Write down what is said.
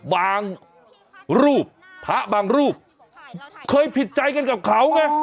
บางรูปพระบางรูปเคยผิดใจกันกับเขาไง